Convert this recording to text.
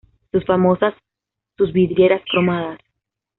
Son famosas sus vidrieras cromadas.